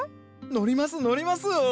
乗ります乗ります！